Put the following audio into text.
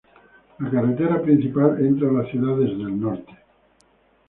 La carretera principal entra a la ciudad desde el norte.